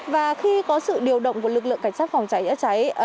và khi có sự điều động của lực lượng cảnh sát phòng trái trịa trái